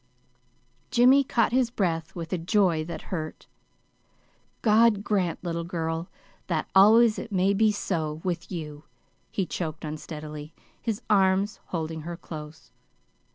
'"] Jimmy caught his breath with a joy that hurt. "God grant, little girl, that always it may be so with you," he choked unsteadily, his arms holding her close.